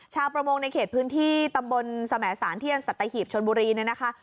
ชาวประมงในเขตพื้นที่ตำบลสมสารที่อันสัตหีบชนบุรีเนี่ยนะคะ